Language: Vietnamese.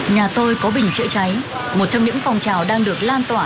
nhà tôi có bình chữa cháy một trong những phòng trào đang được lan tỏa